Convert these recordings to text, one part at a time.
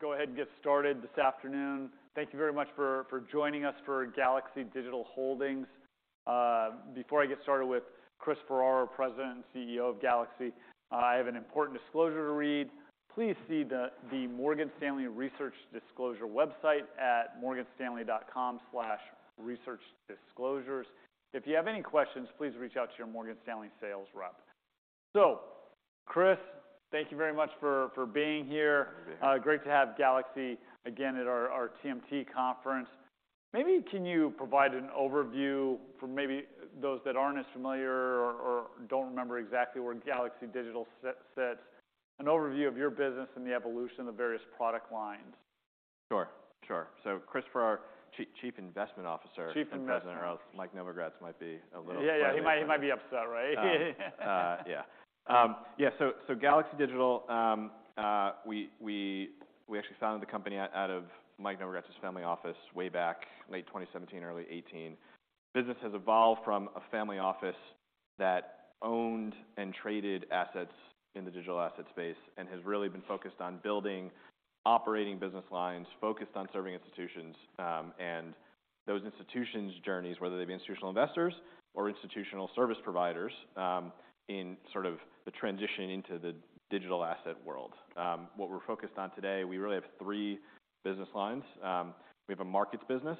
Go ahead and get started this afternoon. Thank you very much for joining us for Galaxy Digital Holdings. Before I get started with Chris Ferraro, President and CEO of Galaxy, I have an important disclosure to read. Please see the Morgan Stanley Research Disclosure website at morganstanley.com/researchdisclosures. If you have any questions, please reach out to your Morgan Stanley sales rep. Chris, thank you very much for being here. Good to be here. great to have Galaxy again at our TMT conference. Maybe can you provide an overview for maybe those that aren't as familiar or don't remember exactly where Galaxy Digital sits, an overview of your business and the evolution of various product lines? Sure, sure. Christopher Ferraro, Chief Investment Officer. Chief Investment President, or else Mike Novogratz might be a little upset. Yeah, he might be upset, right. Galaxy Digital, we actually founded the company out of Mike Novogratz's family office way back late 2017, early 2018. Business has evolved from a family office that owned and traded assets in the digital asset space and has really been focused on building operating business lines, focused on serving institutions, and those institutions' journeys, whether they be institutional investors or institutional service providers, in sort of the transitioning to the digital asset world. What we're focused on today, we really have 3 business lines. We have a markets business,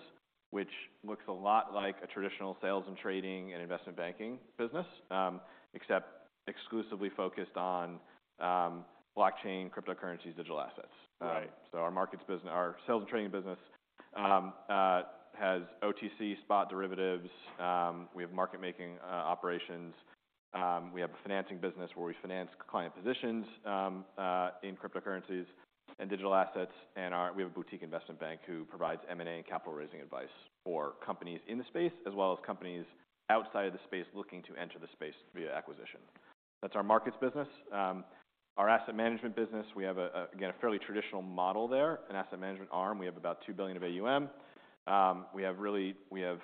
which looks a lot like a traditional sales and trading and investment banking business, except exclusively focused on blockchain, cryptocurrencies, digital assets. Right. Our markets business-- our sales and trading business has OTC spot derivatives. We have market-making operations. We have a financing business where we finance client positions in cryptocurrencies and digital assets. We have a boutique investment bank who provides M&A and capital raising advice for companies in the space, as well as companies outside of the space looking to enter the space via acquisition. That's our markets business. Our asset management business, we have a fairly traditional model there, an asset management arm. We have about $2 billion of AUM. We have funds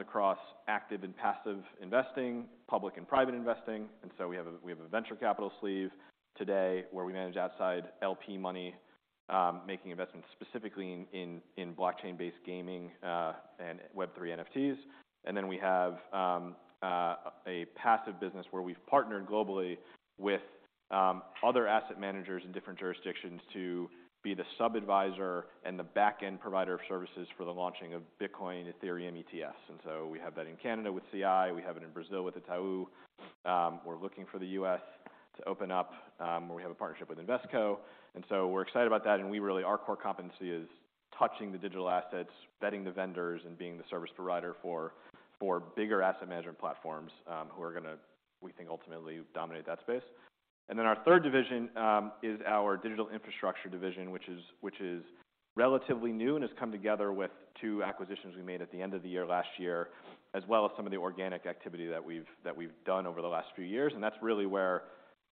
across active and passive investing, public and private investing. We have a venture capital sleeve today where we manage outside LP money, making investments specifically in blockchain-based gaming and Web3 NFTs. We have a passive business where we've partnered globally with other asset managers in different jurisdictions to be the sub-adviser and the back-end provider of services for the launching of Bitcoin and Ethereum ETFs. We have that in Canada with CI, we have it in Brazil with Itaú. We're looking for the US to open up where we have a partnership with Invesco. We're excited about that, and we really our core competency is touching the digital assets, vetting the vendors, and being the service provider for bigger asset management platforms, who are gonna, we think, ultimately dominate that space. Our third division is our digital infrastructure division, which is relatively new and has come together with two acquisitions we made at the end of the year last year, as well as some of the organic activity that we've done over the last few years. That's really where,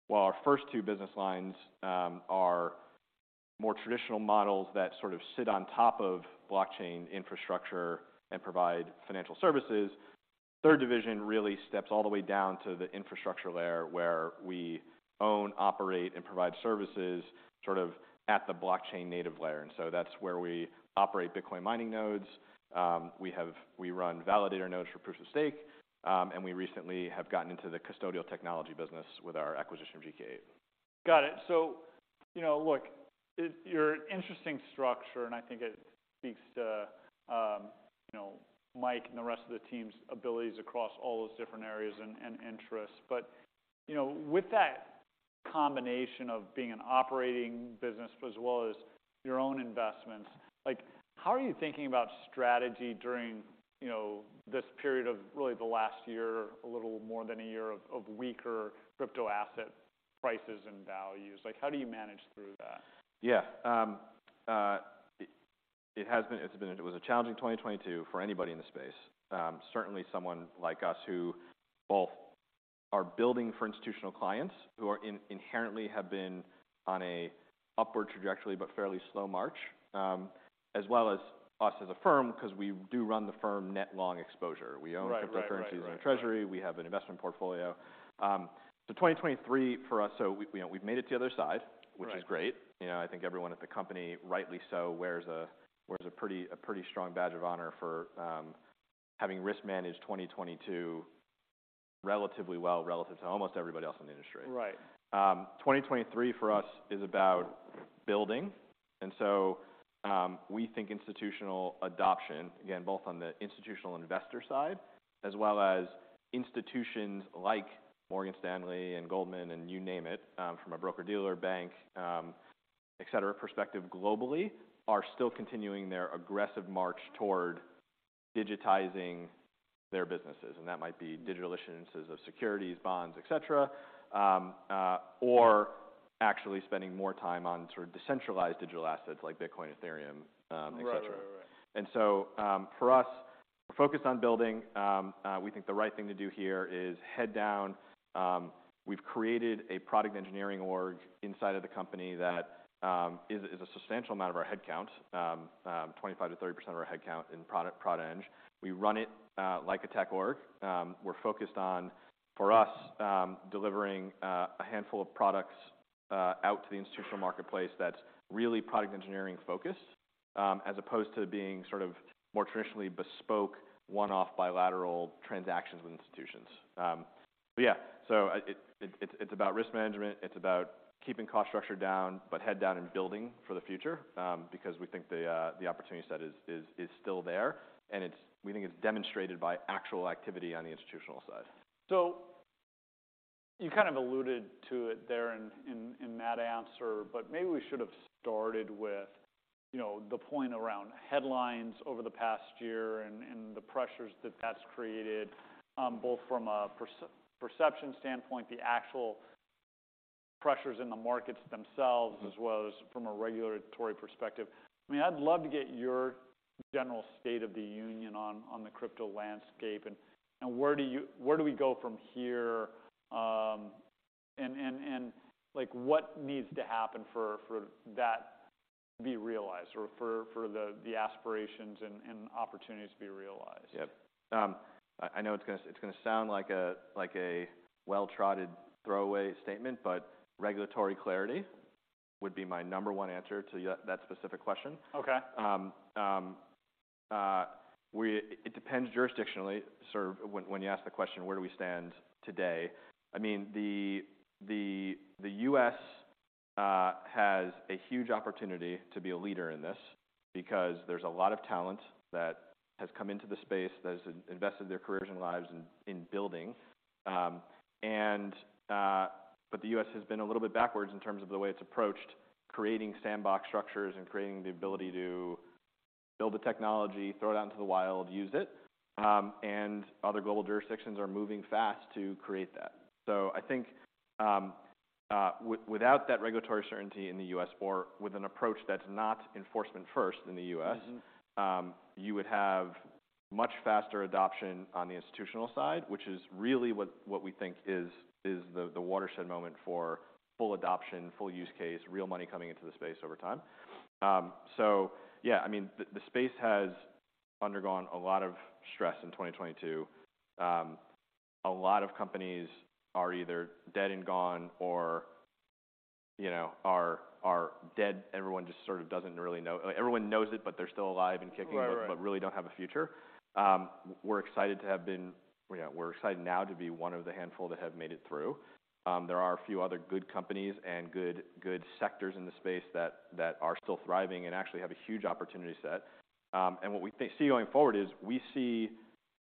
while our first two business lines are more traditional models that sort of sit on top of blockchain infrastructure and provide financial services, third division really steps all the way down to the infrastructure layer where we own, operate, and provide services sort of at the blockchain native layer. That's where we operate Bitcoin mining nodes. We run validator nodes for Proof of Stake. And we recently have gotten into the custodial technology business with our acquisition of GK8. Got it. You know, look, you're an interesting structure, and I think it speaks to, you know, Mike and the rest of the team's abilities across all those different areas and interests. You know, with that combination of being an operating business as well as your own investments, like, how are you thinking about strategy during, you know, this period of really the last year, a little more than a year of weaker crypto asset prices and values? Like, how do you manage through that? It was a challenging 2022 for anybody in the space. Certainly someone like us who both are building for institutional clients who are inherently have been on a upward trajectory but fairly slow march, as well as us as a firm 'cause we do run the firm net long exposure. Right. Right. We own cryptocurrencies on our treasury. We have an investment portfolio. 2023 for us, so we, you know, we've made it to the other side. Right... which is great. You know, I think everyone at the company, rightly so, wears a pretty strong badge of honor for having risk managed 2022 relatively well relative to almost everybody else in the industry. Right. 2023 for us is about building. We think institutional adoption, again, both on the institutional investor side as well as institutions like Morgan Stanley and Goldman and you name it, from a broker-dealer bank, et cetera, perspective globally, are still continuing their aggressive march toward digitizing their businesses. That might be digital issuances of securities, bonds, et cetera, or actually spending more time on sort of decentralized digital assets like Bitcoin, Ethereum, et cetera. Right, right. For us, we're focused on building. We think the right thing to do here is head down. We've created a product engineering org inside of the company that is a substantial amount of our headcount, 25%-30% of our headcount in product eng. We run it like a tech org. We're focused on, for us, delivering a handful of products out to the institutional marketplace that's really product engineering focused. As opposed to being sort of more traditionally bespoke one-off bilateral transactions with institutions. It's about risk management. It's about keeping cost structure down, but head down and building for the future, because we think the opportunity set is still there, and we think it's demonstrated by actual activity on the institutional side. You kind of alluded to it there in that answer, but maybe we should have started with, you know, the point around headlines over the past year and the pressures that that's created, both from a perception standpoint, the actual pressures in the markets themselves, as well as from a regulatory perspective. I mean, I'd love to get your general state of the union on the crypto landscape, and where do we go from here? And like, what needs to happen for that to be realized or for the aspirations and opportunities to be realized? Yep. I know it's gonna sound like a well-trotted throwaway statement, but regulatory clarity would be my number 1 answer to that specific question. Okay. It depends jurisdictionally, sort of when you ask the question, where do we stand today? I mean, the U.S. has a huge opportunity to be a leader in this because there's a lot of talent that has come into the space, that has invested their careers and lives in building. The U.S. has been a little bit backwards in terms of the way it's approached creating sandbox structures and creating the ability to build the technology, throw it out into the wild, use it. Other global jurisdictions are moving fast to create that. I think, without that regulatory certainty in the U.S. or with an approach that's not enforcement first in the U.S. Mm-hmm You would have much faster adoption on the institutional side, which is really what we think is the watershed moment for full adoption, full use case, real money coming into the space over time. Yeah. I mean, the space has undergone a lot of stress in 2022. A lot of companies are either dead and gone or, you know, are dead. Everyone just sort of doesn't really know. Everyone knows it, but they're still alive and kicking but really don't have a future. We're excited to have been, you know, we're excited now to be one of the handful that have made it through. There are a few other good companies and good sectors in the space that are still thriving and actually have a huge opportunity set. What we see going forward is we see,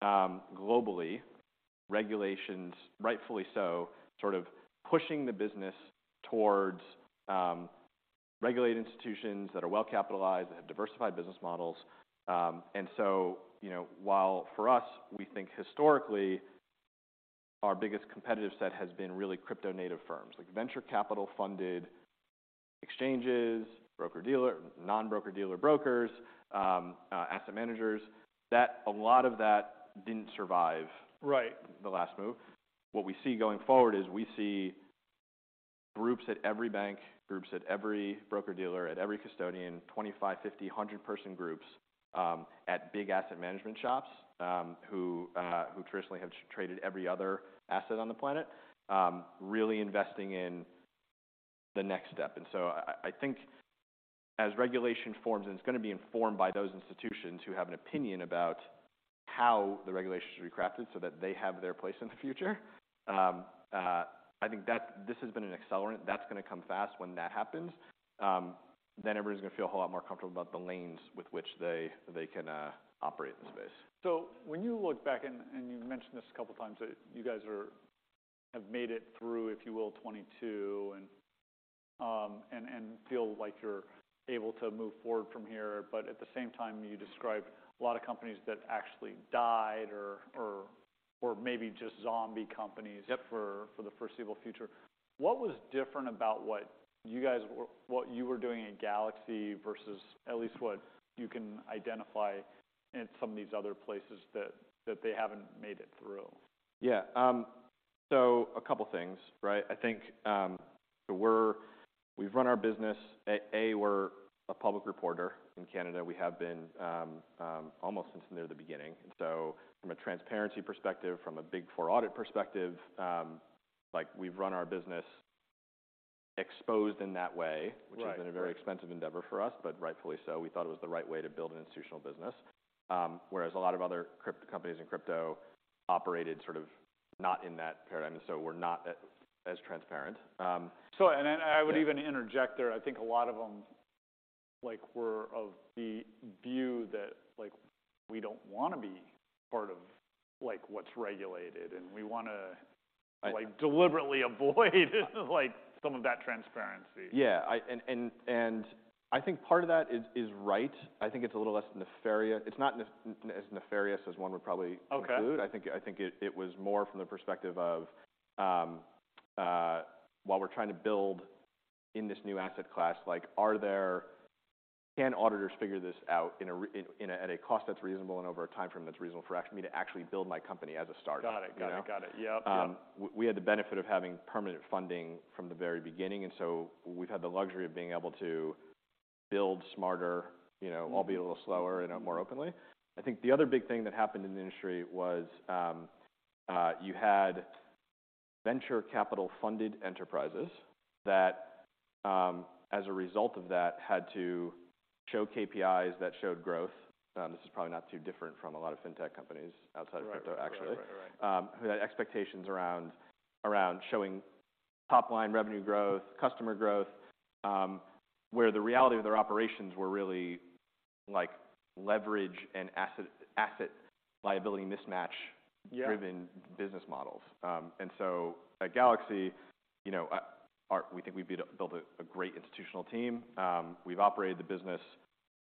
globally regulations, rightfully so, sort of pushing the business towards regulated institutions that are well-capitalized and have diversified business models. You know, while for us, we think historically our biggest competitive set has been really crypto native firms, like venture capital funded exchanges, broker-dealer, non-broker-dealer brokers, asset managers, a lot of that didn't survive Right ...the last move. What we see going forward is we see groups at every bank, groups at every broker-dealer, at every custodian, 25, 50, 100 person groups, at big asset management shops, who traditionally have traded every other asset on the planet, really investing in the next step. I think as regulation forms, and it's gonna be informed by those institutions who have an opinion about how the regulations should be crafted so that they have their place in the future. I think that this has been an accelerant. That's gonna come fast when that happens. Everybody's gonna feel a whole lot more comfortable about the lanes with which they can operate in the space. When you look back and you mentioned this a couple times, that you guys have made it through, if you will, 2022, and feel like you're able to move forward from here. At the same time, you describe a lot of companies that actually died or maybe just zombie companies... Yep for the foreseeable future. What was different about what you were doing at Galaxy versus at least what you can identify in some of these other places that they haven't made it through? A couple things, right? I think we've run our business, we're a public reporter in Canada. We have been almost since near the beginning. From a transparency perspective, from a Big 4 audit perspective, like we've run our business exposed in that way Right. Right. ...which has been a very expensive endeavor for us, but rightfully so. We thought it was the right way to build an institutional business. Whereas a lot of other companies in crypto operated sort of not in that paradigm, and so were not as transparent. I would even interject there. I think a lot of them like were of the view that like, we don't wanna be part of like what's regulated, and we wanna like deliberately avoid like some of that transparency. Yeah. I think part of that is right. I think it's a little less nefarious. It's not as nefarious as one would probably conclude. Okay. I think it was more from the perspective of, while we're trying to build in this new asset class, like can auditors figure this out at a cost that's reasonable and over a timeframe that's reasonable for me to actually build my company as a startup? Got it. Got it. You know? Got it. Yep. Yep. We had the benefit of having permanent funding from the very beginning, and so we've had the luxury of being able to build smarter, you know, albeit a little slower and more openly. I think the other big thing that happened in the industry was, you had venture capital funded enterprises that, as a result of that had to show KPIs that showed growth. This is probably not too different from a lot of fintech companies outside of crypto actually... Right. Right. who had expectations around showing top line revenue growth, customer growth, where the reality of their operations were really like leverage and asset liability mismatch driven business models. Yeah At Galaxy, you know, we think we build a great institutional team. We've operated the business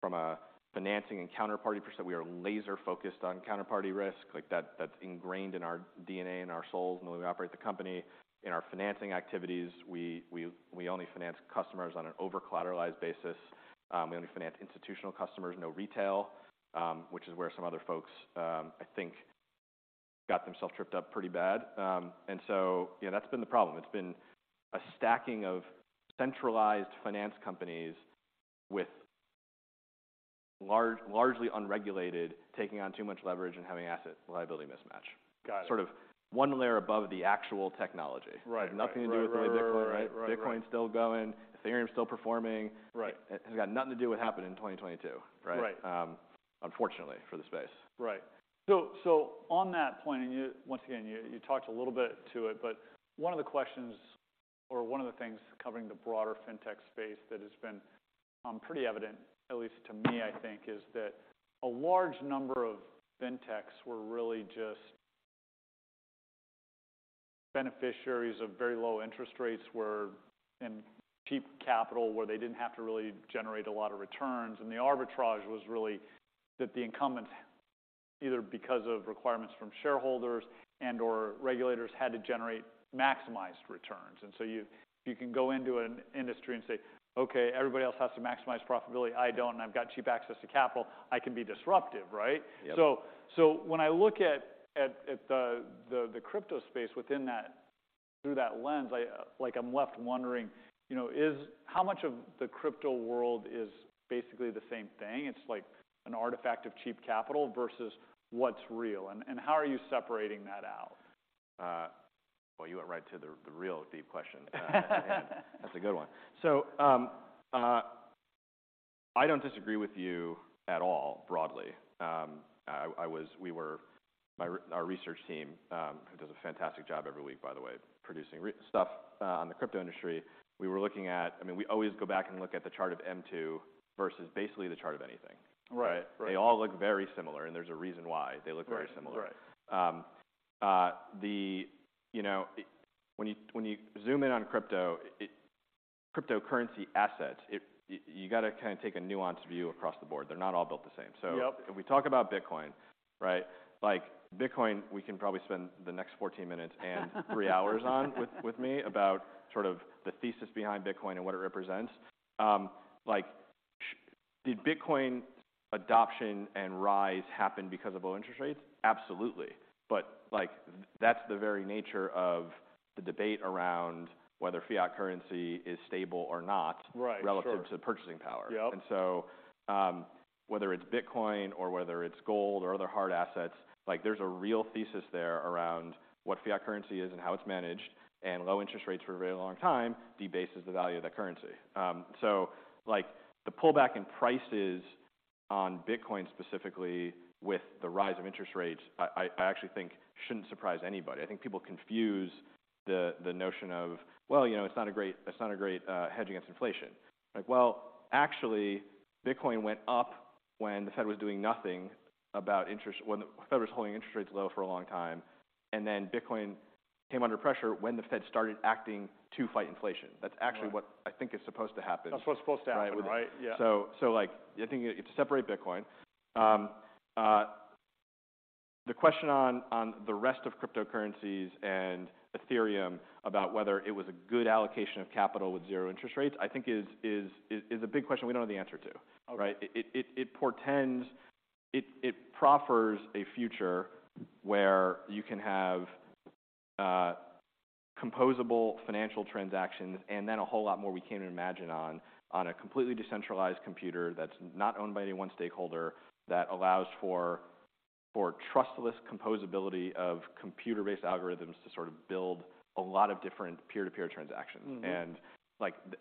from a financing and counterparty perspective. We are laser focused on counterparty risk. Like that's ingrained in our DNA and our souls, and the way we operate the company. In our financing activities, we only finance customers on an over-collateralized basis. We only finance institutional customers, no retail, which is where some other folks, I think got themselves tripped up pretty bad. Yeah, that's been the problem. It's been a stacking of centralized finance companies with largely unregulated, taking on too much leverage and having asset liability mismatch. Got it. Sort of one layer above the actual technology. Right. Has nothing to do with the way Bitcoin, right? Bitcoin's still going, Ethereum's still performing. Right. It has got nothing to do with what happened in 2022, right? Right. Unfortunately for the space. Right. So on that point, and once again, you talked a little bit to it, but one of the questions or one of the things covering the broader fintech space that has been pretty evident, at least to me, I think, is that a large number of fintechs were really just beneficiaries of very low interest rates, and cheap capital, where they didn't have to really generate a lot of returns. The arbitrage was really that the incumbents, either because of requirements from shareholders and/or regulators, had to generate maximized returns. So you can go into an industry and say, "Okay, everybody else has to maximize profitability. I don't, and I've got cheap access to capital, I can be disruptive, right?" Yep. When I look at the crypto space within that, through that lens, I like I'm left wondering, you know, is how much of the crypto world is basically the same thing? It's like an artifact of cheap capital versus what's real, and how are you separating that out? Boy, you went right to the real deep question. That's a good one. I don't disagree with you at all, broadly. Our research team, who does a fantastic job every week, by the way, producing stuff on the crypto industry. I mean, we always go back and look at the chart of M2 versus basically the chart of anything. Right. Right. They all look very similar, and there's a reason why they look very similar. Right. Right. You know, when you zoom in on crypto, cryptocurrency assets, you gotta kinda take a nuanced view across the board. They're not all built the same. Yep If we talk about Bitcoin, right? Like Bitcoin, we can probably spend the next 14 minutes and three hours on with me about sort of the thesis behind Bitcoin and what it represents. Like, did Bitcoin adoption and rise happen because of low interest rates? Absolutely. Like that's the very nature of the debate around whether fiat currency is stable or not... Right. Sure. relative to purchasing power. Yep. Whether it's Bitcoin or whether it's gold or other hard assets, like there's a real thesis there around what fiat currency is and how it's managed, and low interest rates for a very long time debases the value of that currency. The pullback in prices on Bitcoin specifically with the rise of interest rates, I actually think shouldn't surprise anybody. I think people confuse the notion of, well, you know, it's not a great hedge against inflation. Like well, actually, Bitcoin went up when the Fed was doing nothing about interest, when the Fed was holding interest rates low for a long time. Bitcoin came under pressure when the Fed started acting to fight inflation. Right. That's actually what I think is supposed to happen. That's what's supposed to happen, right? Yeah. Like I think if you separate Bitcoin, the question on the rest of cryptocurrencies and Ethereum about whether it was a good allocation of capital with zero interest rates, I think is a big question we don't know the answer to. Okay. Right? It portends, it proffers a future where you can have composable financial transactions and then a whole lot more we can't even imagine on a completely decentralized computer that's not owned by any one stakeholder, that allows for trustless composability of computer-based algorithms to sort of build a lot of different peer-to-peer transactions. Mm-hmm. Like the,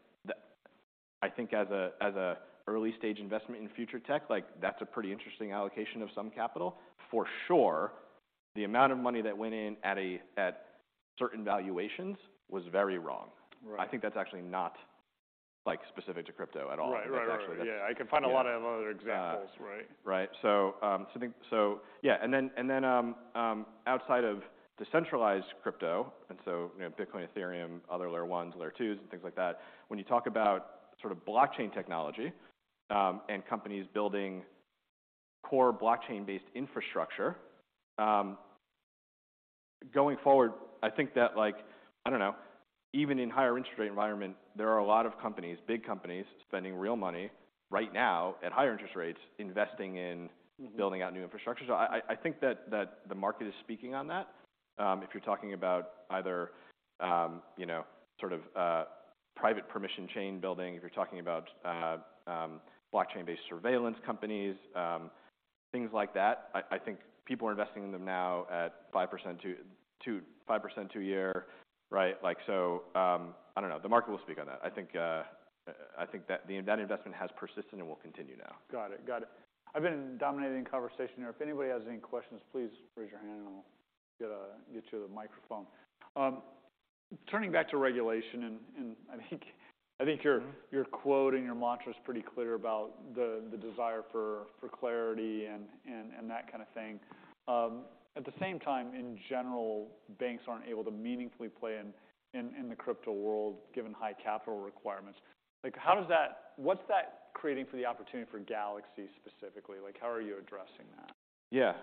I think as a early stage investment in future tech, like that's a pretty interesting allocation of some capital. For sure, the amount of money that went in at certain valuations was very wrong. Right. I think that's actually not like specific to crypto at all. Right. Right. Right. I think actually. Yeah. I can find a lot of other examples, right? Yeah. Right. Yeah. Then, outside of decentralized crypto, and so, you know, Bitcoin, Ethereum, other Layer 1s, Layer 2s and things like that, when you talk about sort of blockchain technology, and companies building core blockchain-based infrastructure, going forward, I think that like, I don't know, even in higher interest rate environment, there are a lot of companies, big companies, spending real money right now at higher interest rates, investing in building out new infrastructure. I think that the market is speaking on that. If you're talking about either, you know, sort of, private permissioned chain building, if you're talking about blockchain-based surveillance companies, things like that. I think people are investing in them now at 5% two-year, right? Like, I don't know, the market will speak on that. I think, I think that investment has persisted and will continue now. Got it. Got it. I've been dominating the conversation here. If anybody has any questions, please raise your hand and I'll get you the microphone. Turning back to regulation and I think your quote and your mantra is pretty clear about the desire for clarity and that kind of thing. At the same time, in general, banks aren't able to meaningfully play in the crypto world given high capital requirements. Like what's that creating for the opportunity for Galaxy specifically? Like how are you addressing that? Yeah.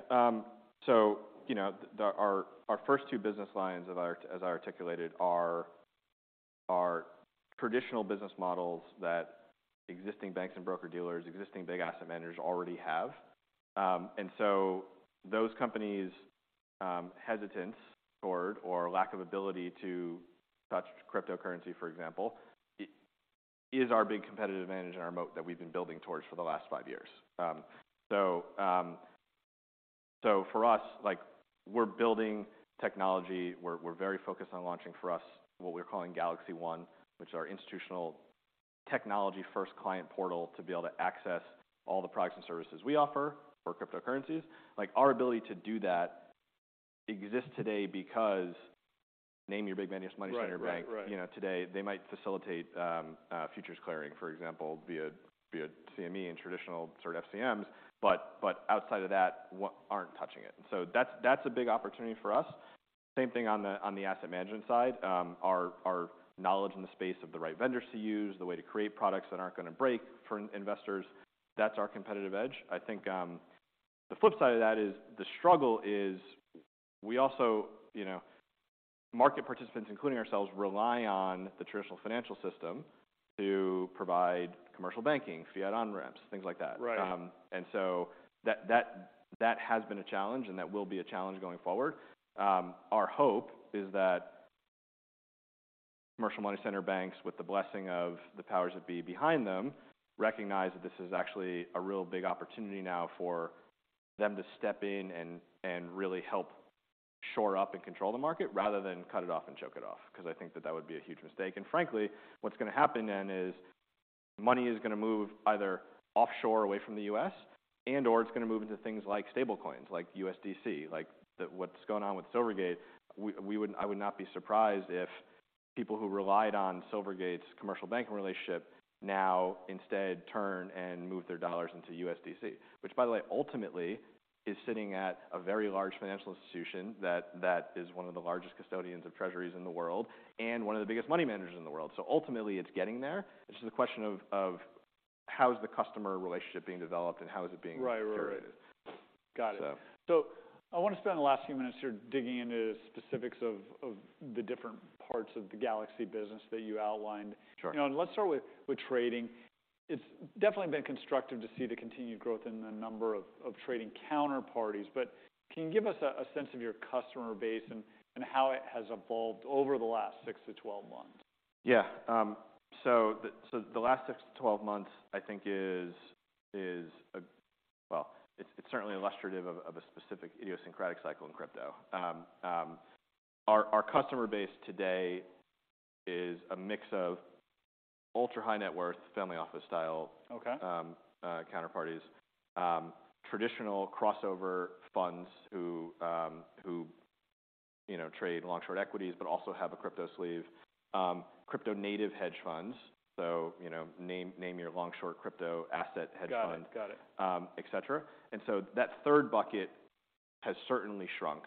You know, the, our first two business lines as I articulated are traditional business models that existing banks and broker-dealers, existing big asset managers already have. Those companies' hesitance toward or lack of ability to touch cryptocurrency, for example, is our big competitive advantage and our moat that we've been building towards for the last five years. For us, like we're building technology. We're very focused on launching for us, what we're calling GalaxyOne, which is our institutional technology-first client portal to be able to access all the products and services we offer for cryptocurrencies. Like our ability to do that exists today because name your big money center bank. Right. Right. Right. You know, today, they might facilitate futures clearing, for example, via CME and traditional sort of FCMs, but outside of that, aren't touching it. That's a big opportunity for us. Same thing on the asset management side. Our knowledge in the space of the right vendors to use, the way to create products that aren't gonna break for investors, that's our competitive edge. I think, the flip side of that is the struggle is we also, you know, market participants, including ourselves, rely on the traditional financial system to provide commercial banking, fiat on-ramps, things like that. Right. That, that has been a challenge, and that will be a challenge going forward. Our hope is that commercial money center banks, with the blessing of the powers that be behind them, recognize that this is actually a real big opportunity now for them to step in and really help shore up and control the market rather than cut it off and choke it off, 'cause I think that that would be a huge mistake. Frankly, what's gonna happen then is money is gonna move either offshore away from the U.S. and/or it's gonna move into things like stablecoins, like USDC, like the what's going on with Silvergate. I would not be surprised if people who relied on Silvergate's commercial banking relationship now instead turn and move their dollars into USDC. Which by the way, ultimately is sitting at a very large financial institution that is one of the largest custodians of Treasuries in the world and one of the biggest money managers in the world. Ultimately, it's getting there. It's just a question of how is the customer relationship being developed and how is it being curated. Right. Right. Right. Got it. So. I wanna spend the last few minutes here digging into specifics of the different parts of the Galaxy business that you outlined. Sure. You know, let's start with trading. It's definitely been constructive to see the continued growth in the number of trading counterparties. Can you give us a sense of your customer base and how it has evolved over the last six to 12 months? Yeah. So the last six to 12 months I think is... Well, it's certainly illustrative of a specific idiosyncratic cycle in crypto. Our customer base today is a mix of ultra-high net worth family office style... Okay. counterparties, traditional crossover funds who, you know, trade long-short equities but also have a crypto sleeve. Crypto native hedge funds, you know, name your long-short crypto asset hedge fund... Got it. Got it. et cetera. That third bucket has certainly shrunk,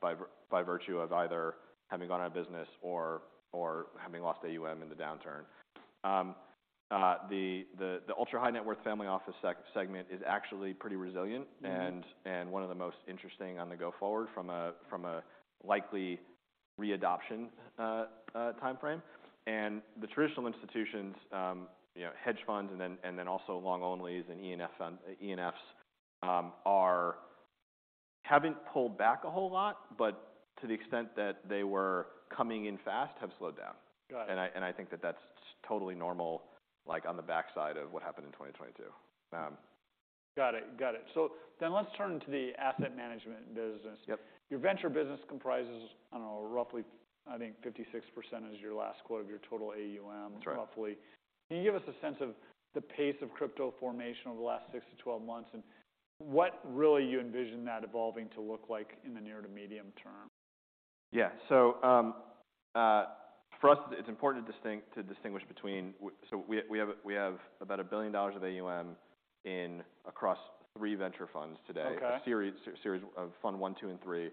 by virtue of either having gone out of business or having lost AUM in the downturn. The ultra-high net worth family office segment is actually pretty resilient. Mm-hmm And one of the most interesting on the go forward from a likely re-adoption timeframe. The traditional institutions, you know, hedge funds and then also long onlys and ENFs haven't pulled back a whole lot, but to the extent that they were coming in fast have slowed down. Got it. And I think that that's totally normal, like on the backside of what happened in 2022. Got it. Let's turn to the asset management business. Yep. Your venture business comprises, I don't know, roughly, I think 56% is your last quote of your total AUM. That's right. Roughly. Can you give us a sense of the pace of crypto formation over the last six to 12 months and what really you envision that evolving to look like in the near to medium term? Yeah. For us, it's important to distinguish between... So we have about $1 billion of AUM in across three venture funds today. Okay. A series of fund one, two, and three,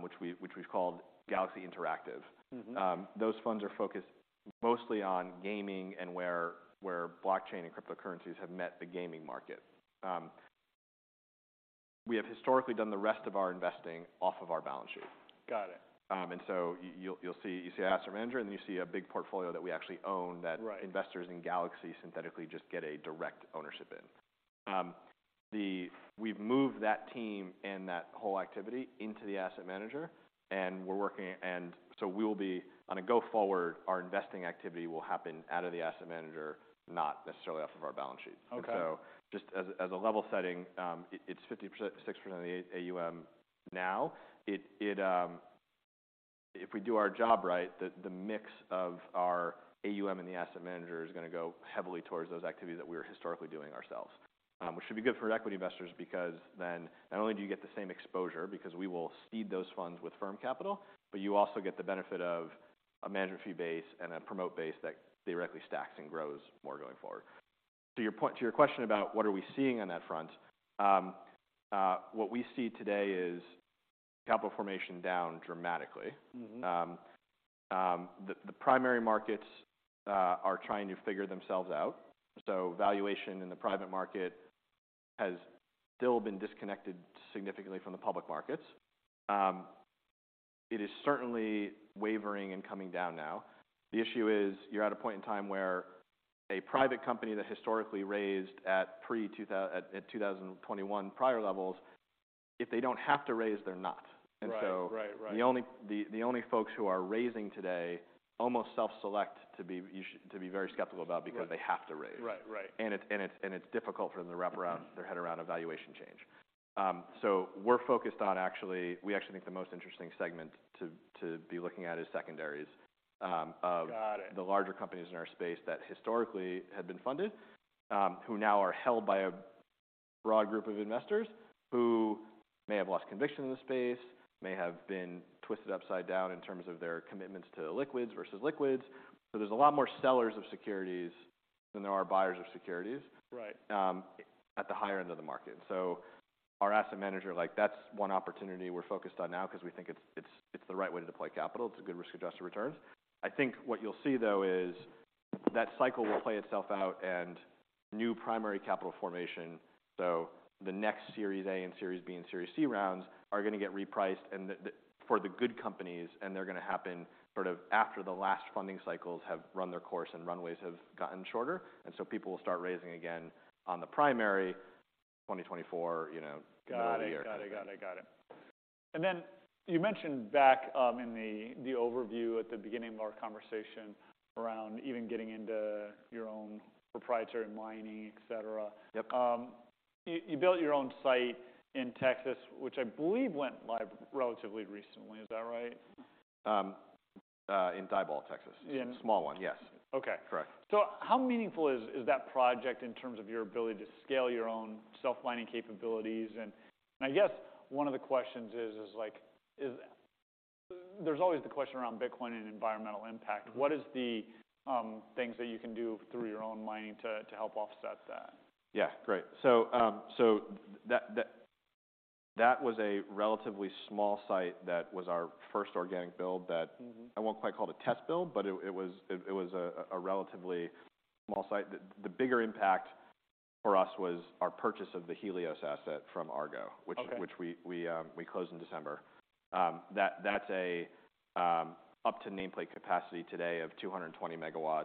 which we've called Galaxy Interactive. Mm-hmm. Those funds are focused mostly on gaming and where blockchain and cryptocurrencies have met the gaming market. We have historically done the rest of our investing off of our balance sheet. Got it. You'll see asset manager, and then you see a big portfolio that we actually own... Right that investors in Galaxy synthetically just get a direct ownership in. We've moved that team and that whole activity into the asset manager. We will be, on a go forward, our investing activity will happen out of the asset manager, not necessarily off of our balance sheet. Okay. Just as a level setting, it's 50%, 6% of the AUM now. If we do our job right, the mix of our AUM and the asset manager is gonna go heavily towards those activities that we were historically doing ourselves. Which should be good for equity investors because then not only do you get the same exposure because we will seed those funds with firm capital, but you also get the benefit of a management fee base and a promote base that directly stacks and grows more going forward. To your question about what are we seeing on that front, what we see today is capital formation down dramatically. Mm-hmm. The primary markets are trying to figure themselves out. So valuation in the private market has still been disconnected significantly from the public markets. It is certainly wavering and coming down now. The issue is you're at a point in time where a private company that historically raised at 2021 prior levels, if they don't have to raise, they're not. Right. Right, right. The only folks who are raising today almost self-select to be very skeptical about because they have to raise. Right. Right, right. It's difficult for them to wrap around, their head around a valuation change. We're focused on actually. We actually think the most interesting segment to be looking at is secondaries. Got it. The larger companies in our space that historically had been funded, who now are held by a broad group of investors who may have lost conviction in the space, may have been twisted upside down in terms of their commitments to illiquids versus liquids. There's a lot more sellers of securities than there are buyers of securities... Right at the higher end of the market. Our asset manager, like, that's one opportunity we're focused on now because we think it's, it's the right way to deploy capital. It's a good risk-adjusted return. I think what you'll see, though, is that cycle will play itself out and new primary capital formation. So the next Series A and Series B and Series C rounds are gonna get repriced and the for the good companies, and they're gonna happen sort of after the last funding cycles have run their course and runways have gotten shorter. People will start raising again on the primary 2024, you know, middle of the year kind of thing. Got it. Got it, got it, got it. Then you mentioned back in the overview at the beginning of our conversation around even getting into your own proprietary mining, et cetera. Yep. You built your own site in Texas, which I believe went live relatively recently. Is that right? In Diboll, Texas. In- Small one, yes. Okay. Correct. How meaningful is that project in terms of your ability to scale your own self-mining capabilities? I guess one of the questions, there's always the question around Bitcoin and environmental impact. What is the things that you can do through your own mining to help offset that? Yeah. Great. That was a relatively small site that was our first organic build. Mm-hmm I won't quite call it a test build, but it was a relatively small site. The bigger impact for us was our purchase of the Helios asset from Argo, which- Okay... which we closed in December. That's a up to nameplate capacity today of 220 MW,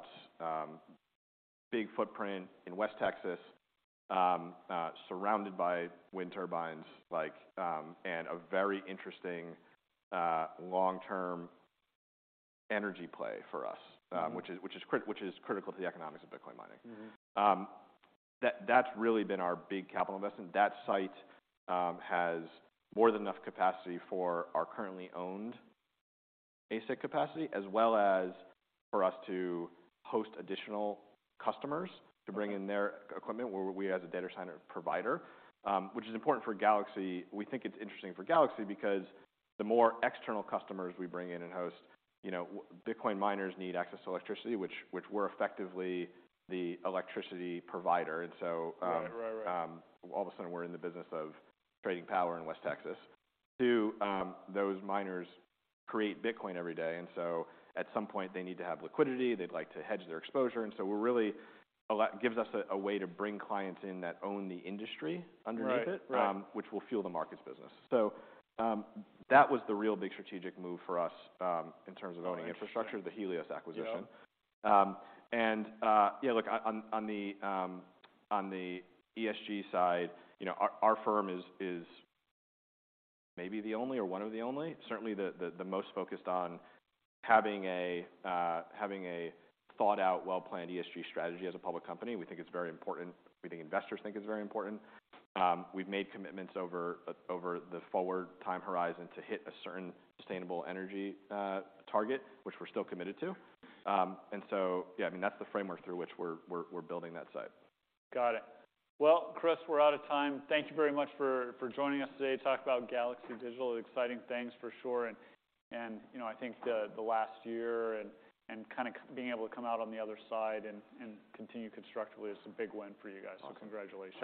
big footprint in West Texas, surrounded by wind turbines, like, and a very interesting, long-term energy play for us, which is critical to the economics of Bitcoin mining. Mm-hmm. That's really been our big capital investment. That site has more than enough capacity for our currently owned ASIC capacity, as well as for us to host additional customers to bring in their equipment where we as a data center provider, which is important for Galaxy. We think it's interesting for Galaxy because the more external customers we bring in and host, you know, Bitcoin miners need access to electricity, which we're effectively the electricity provider. Right. Right, right. All of a sudden, we're in the business of trading power in West Texas. Two, those miners create Bitcoin every day, and so at some point they need to have liquidity. They'd like to hedge their exposure. That gives us a way to bring clients in that own the industry underneath it... Right. Right. which will fuel the markets business. That was the real big strategic move for us, in terms of owning infrastructure- Right... the Helios acquisition. Yeah. Yeah, look, on the ESG side, you know, our firm is maybe the only or one of the only, certainly the most focused on having a thought out, well-planned ESG strategy as a public company. We think it's very important. We think investors think it's very important. We've made commitments over the forward time horizon to hit a certain sustainable energy target, which we're still committed to. Yeah, I mean, that's the framework through which we're building that site. Got it. Well, Chris, we're out of time. Thank you very much for joining us today to talk about Galaxy Digital. Exciting things for sure. You know, I think the last year and kind of being able to come out on the other side and continue constructively is a big win for you guys. Awesome. Congratulations.